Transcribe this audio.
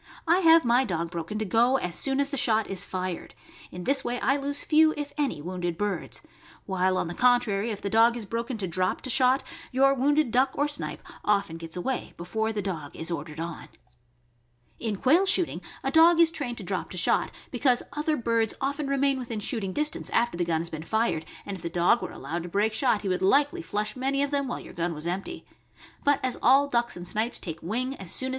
I have my dog broken to go as soon as the shot is fired. In this way I lose few, if any, wounded birds; while, on the contrary, if the dog is broken to drop to shot, your wounded duck or snipe often gets away before the dog is ordered on. 294 THE AMERICAN BOOK OF THE DOG. In quail shooting, a dog is trained to drop to shot, be cause other birds often remain within shooting distance after the gun has been fired, and if the dog were allowed to break shot he would likely flush many of them while your gun was empty. But as all ducks and snipes take wing as soon as.